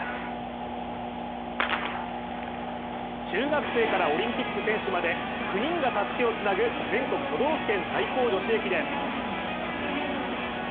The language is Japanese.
中学生からオリンピック選手まで９人がたすきをつなぐ全国都道府県対抗女子駅伝。